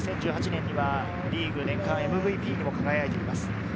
２０１８年にはリーグ年間ＭＶＰにも輝いています。